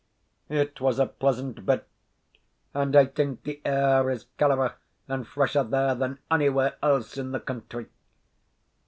It was a pleasant bit; and, I think the air is callerer and fresher there than onywhere else in the country.